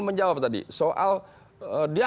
menjawab tadi soal dia